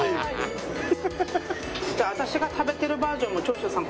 私が食べてるバージョンも長州さん